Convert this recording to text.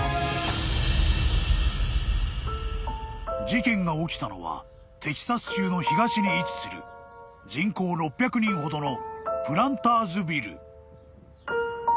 ［事件が起きたのはテキサス州の東に位置する人口６００人ほどの］